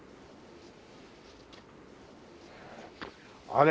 あれ？